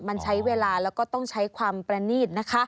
มันใช้เวลาแล้วก็ต้องใช้ความประนีตนะคะ